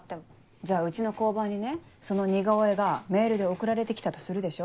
じゃあうちの交番にねその似顔絵がメールで送られて来たとするでしょ。